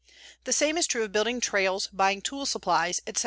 The same is true of building trails, buying tool supplies, etc.